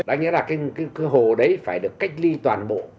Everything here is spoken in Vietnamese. đáng nhớ là cái hồ đấy phải được cách ly toàn bộ